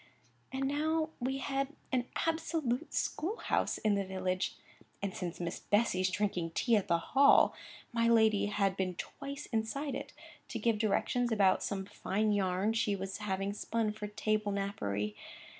And now we had an absolute school house in the village; and since Miss Bessy's drinking tea at the Hall, my lady had been twice inside it, to give directions about some fine yarn she was having spun for table napery.